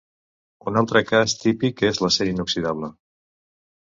Un altre cas típic és l'acer inoxidable.